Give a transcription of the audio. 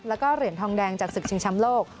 แล้วก็เหรียญทองแดงจากศึกชิงช้ำโลก